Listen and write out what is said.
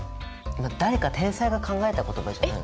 誰か天才が考えた言葉じゃないの？